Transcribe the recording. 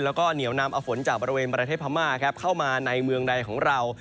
แล้วก็เหนียวนำเอาฝนจากบริเวณประเทศพม่าเข้ามาในเมืองใดของเรา